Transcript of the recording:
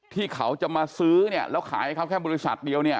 ที่เขาจะมาซื้อแล้วขายให้เขาแค่บริษัทเดียว